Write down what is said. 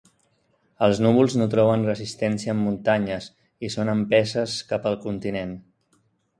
Els núvols no troben resistència en muntanyes i són empeses cap al continent.